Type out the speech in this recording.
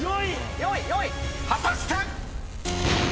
［果たして⁉］